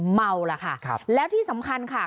เมาและที่สำคัญค่ะ